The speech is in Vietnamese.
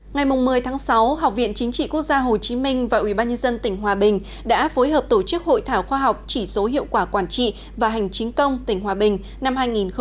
ngày một mươi sáu học viện chính trị quốc gia hồ chí minh và ủy ban nhân dân tỉnh hòa bình đã phối hợp tổ chức hội thảo khoa học chỉ số hiệu quả quản trị và hành chính công tỉnh hòa bình năm hai nghìn một mươi tám